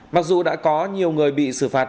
mặc dù đã có nhiều người bị xử phạt